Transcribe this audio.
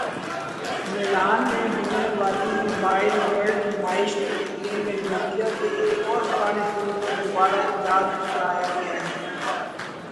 میلان میں ہونے والی موبائل ورلڈ نمائش کی تقریب میں نوکیا کے ایک اور پرانے فون کو دوبارہ ایجاد کرایا گیا ہے